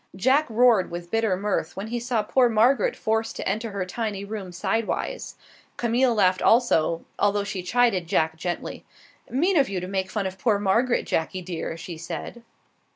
Jack roared with bitter mirth when he saw poor Margaret forced to enter her tiny room sidewise; Camille laughed also, although she chided Jack gently. "Mean of you to make fun of poor Margaret, Jacky dear," she said.